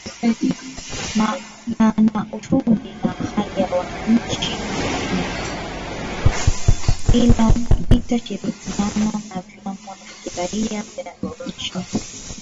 ita shirikiana na vyama vya kiraia vya nchini humo